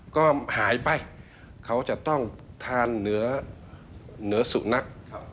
ก็หายไปเขาจะต้องทานเนื้อสุนัข